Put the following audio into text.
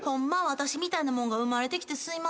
私みたいなもんが生まれてきてすいません。